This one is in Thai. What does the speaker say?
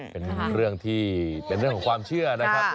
เป็นเรื่องที่เป็นเรื่องของความเชื่อนะครับ